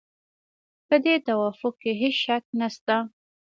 په دې توافق کې هېڅ شک نشته.